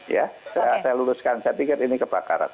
ya saya luluskan saya pikir ini kebakaran